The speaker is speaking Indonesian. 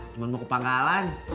cuma mau ke pangkalan